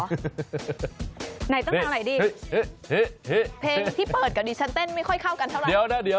ไหนตั้งแนวไหนดีเพลงที่เปิดกับดิฉันเต้นไม่ค่อยเข้ากันเท่าไหร่